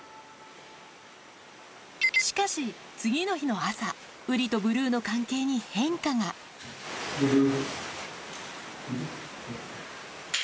しかし次の日の朝ウリとブルーの関係に変化がブルー。